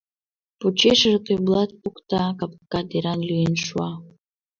Почешыже Тойблат покта, капка деран лӱен шуа.